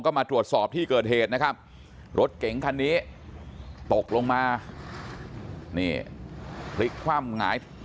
ก็มาตรวจสอบที่เกิดเหตุนะครับรถเก๋งคันนี้ตกลงมานี่พลิกคว่ำหงาย